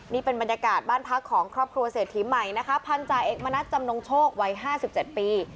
นี่เป็นบรรยากาศบ้านพักของครอบครัวเศรษฐีใหม่นะคะพันธาเอกมณัฐจำนงโชควัย๕๗ปี